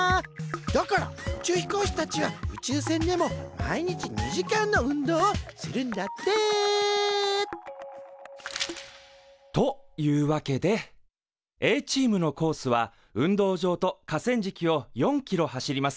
だから宇宙飛行士たちは宇宙船でも毎日２時間の運動をするんだって！というわけでＡチームのコースは運動場とかせんじきを４キロ走ります。